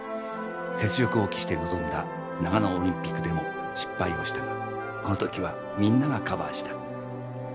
雪辱を期して臨んだ長野オリンピックでも失敗をしたがこの時はみんながカバーした。